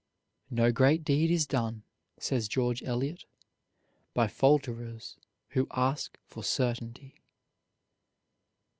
"No great deed is done," says George Eliot, "by falterers who ask for certainty."